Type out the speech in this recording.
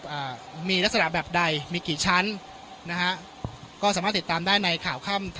อ่ามีลักษณะแบบใดมีกี่ชั้นนะฮะก็สามารถติดตามได้ในข่าวค่ำ